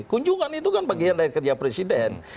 kunjungan itu kan bagian dari kerja presiden